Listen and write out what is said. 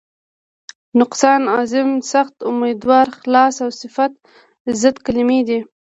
نقصان، عظیم، سخت، امیدوار، خلاص او صفت ضد کلمې دي.